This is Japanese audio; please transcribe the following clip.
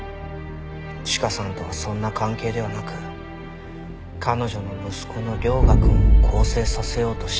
チカさんとはそんな関係ではなく彼女の息子の涼牙くんを更生させようとしただけだと。